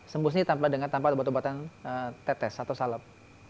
sembus ini tanpa obat obatan tetes atau salep